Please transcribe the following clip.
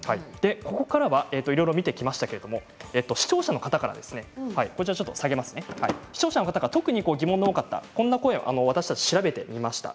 ここからは、いろいろと見てきましたけれども視聴者の方から特に疑問が多かったこんな声を調べてみました。